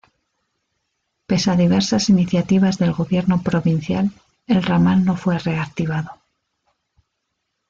Pese a diversas iniciativas del gobierno provincial, el ramal no fue reactivado.